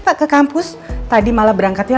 pak ke kampus tadi malah berangkatnya